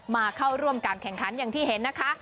มาเข้าร่วมการแข่งขันอย่างที่เห็นนะคะ